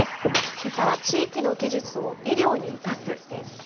けさは、地域の技術を医療に生かすです。